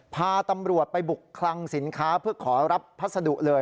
พาตำรวจไปบุกคลังสินค้าเพื่อขอรับพัสดุเลย